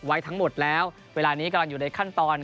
ไว้ทั้งหมดแล้วเวลานี้กำลังอยู่ในขั้นตอน